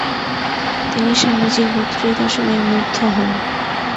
তিনি স্বামীজীর বক্তৃতা শুনিয়া মুগ্ধ হন।